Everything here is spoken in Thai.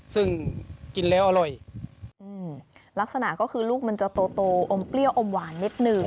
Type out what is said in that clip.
ซึ่งกินแล้วอร่อยลักษณะก็คือลูกมันจะโตอมเปรี้ยวอมหวานนิดนึง